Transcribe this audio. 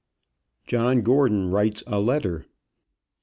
JOHN GORDON WRITES A LETTER.